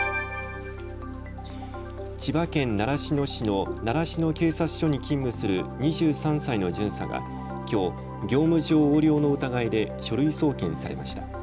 千葉県習志野市の習志野警察署に勤務する２３歳の巡査がきょう、業務上横領の疑いで書類送検されました。